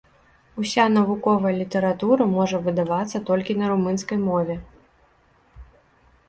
Уся навуковая літаратура можа выдавацца толькі на румынскай мове.